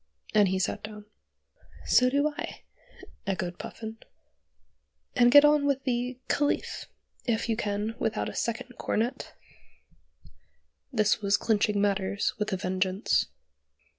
and he sat down. "So do I," echoed Puffin, "and get on with 'The Caliph' if you can without a second cornet." This was clinching matters with a vengeance.